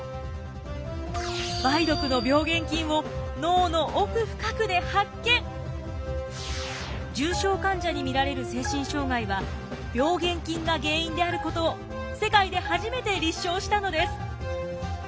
梅毒の重症患者に見られる精神障害は病原菌が原因であることを世界で初めて立証したのです。